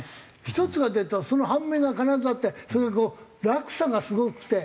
１つが出るとその反面が必ずあってそれがこう落差がすごくて。